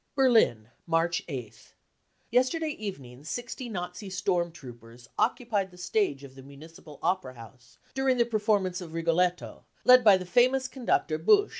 " Berlin, March 8th. Yesterday evening sixty Nazi storm troopers occupied the stage of the Municipal Opera House, during the performance of Rigolette 7 ^ led by the famous conductor Busch.